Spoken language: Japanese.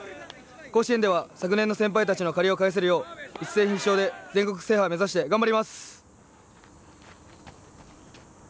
甲子園では、昨年の先輩たちの借りを返せるよう、一戦必勝で全国制覇目指して頑張ります。